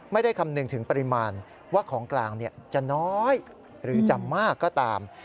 ไม่ได้คำนึงถึงปริมาณว่าของกลางจะน้อยหรือจะมากก็ตาม